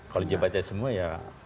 kalau dia baca semua ya